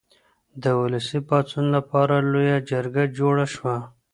د ولسي پاڅون لپاره لویه جرګه جوړه شوه.